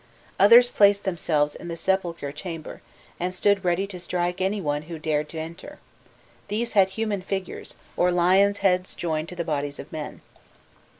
Others placed themselves in the sepulchral chamber, and stood ready to strike any one who dared to enter: these had human figures, or lions' heads joined to the bodies of men.